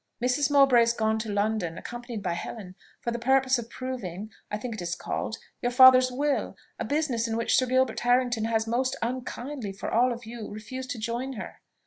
"Mrs. Mowbray is gone to London, accompanied by Helen, for the purpose of proving (I think it is called) your father's will; a business in which Sir Gilbert Harrington has, most unkindly for all of you, refused to join her.